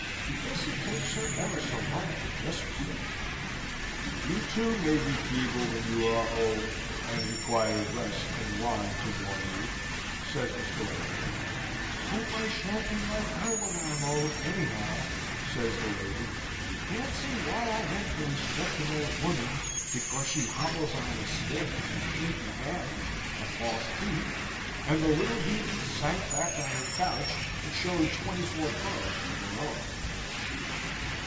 Guess it takes her ever so long to dress herself." "You, too, may be feeble when you are old, and require rest and wine to warm you!" says Mr. Warrington. "Hope I shan't be like her when I'm old, anyhow!" says the lady. "Can't see why I am to respect an old woman, because she hobbles on a stick, and has shaky hands, and false teeth!" And the little heathen sank back on her couch, and showed twenty four pearls of her own.